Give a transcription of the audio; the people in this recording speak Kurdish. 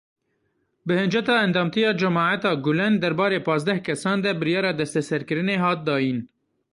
Bi hinceta endamtiya Cemaeta Gulen derbarê pazdeh kesan de biryara desteserkirinê hat dayîn